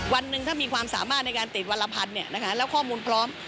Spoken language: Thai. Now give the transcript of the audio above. วันหนึ่งถ้ามีความสามารถในการติดวันละพันแล้วข้อมูลพร้อม